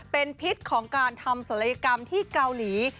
เป็นพิษของการทำศัลยกรรมที่เกาหลี